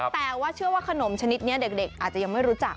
แต่ว่าขนมชนิดนี้เด็กอาจจะยังไม่รู้จัก